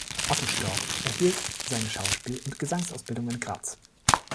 Otto Storr erhielt seine Schauspiel- und Gesangsausbildung in Graz.